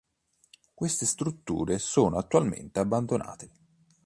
Queste strutture sono attualmente abbandonate.